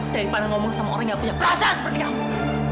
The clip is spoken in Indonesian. daripada ngomong sama orang yang gak punya perasaan seperti kamu